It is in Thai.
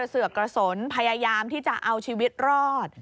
ซึ่งหลังจากที่สร้าง